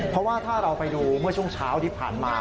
เพราะว่าถ้าเราไปดูเมื่อช่วงเช้าที่ผ่านมา